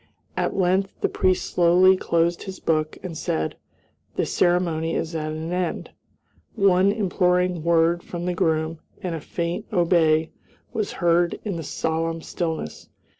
At length the priest slowly closed his book and said, "The ceremony is at an end." One imploring word from the groom, and a faint "obey" was heard in the solemn stillness.